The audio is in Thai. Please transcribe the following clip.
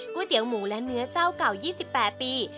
เตี๋ยหมูและเนื้อเจ้าเก่า๒๘ปี